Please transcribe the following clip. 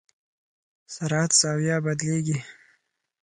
سرعت زاویه بدلېږي.